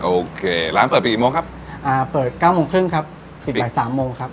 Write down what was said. โอเคร้านเปิดกี่โมงครับอ่าเปิดเก้าโมงครึ่งครับคือบ่ายสามโมงครับ